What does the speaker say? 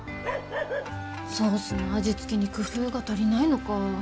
ソースの味付けに工夫が足りないのか。